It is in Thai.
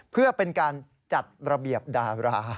เพื่อเป็นการจัดระเบียบดารา